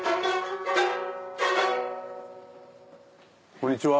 こんにちは。